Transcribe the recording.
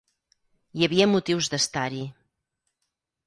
Hi havia motius d'estar-hi.